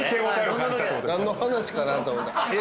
何の話かなと思った。